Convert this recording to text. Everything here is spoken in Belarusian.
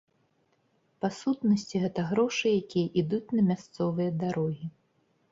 Па сутнасці, гэта грошы, якія ідуць на мясцовыя дарогі.